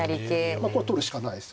まあこれ取るしかないです。